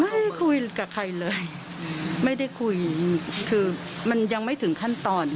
ไม่คุยกับใครเลยไม่ได้คุยคือมันยังไม่ถึงขั้นตอน